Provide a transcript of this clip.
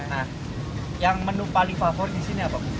nah yang menu paling favorit di sini apa bu